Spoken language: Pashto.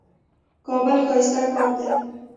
کابل ښايسته ښار دئ.